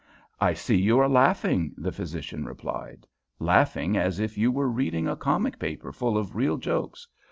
"I see you are laughing," the physician replied "laughing as if you were reading a comic paper full of real jokes.